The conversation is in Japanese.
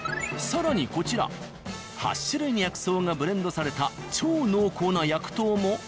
更にこちら８種類の薬草がブレンドされた超濃厚な薬湯も。